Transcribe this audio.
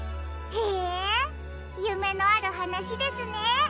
へえゆめのあるはなしですね。